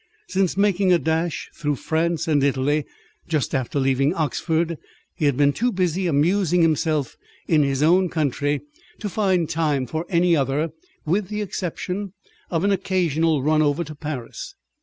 Since making a dash through France and Italy just after leaving Oxford, he had been too busy amusing himself in his own country to find time for any other, with the exception of an occasional run over to Paris.